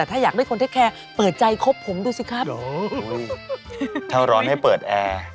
อุ้ยถ้าเหิดร้อนให้เปิดแอร์